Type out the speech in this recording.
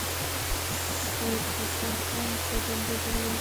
سید حسن خان څه دنده درلوده.